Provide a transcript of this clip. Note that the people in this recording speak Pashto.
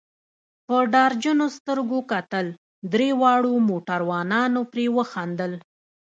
په ډار جنو سترګو کتل، دریو واړو موټروانانو پرې وخندل.